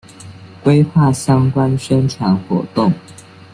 规划相关宣传活动